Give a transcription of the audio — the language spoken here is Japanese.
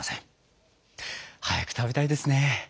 早く食べたいですね。